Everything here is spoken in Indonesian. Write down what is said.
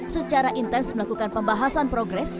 secara intens melakukan pembahasan progres